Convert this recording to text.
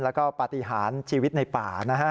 แล้วก็ปฏิหารชีวิตในป่านะฮะ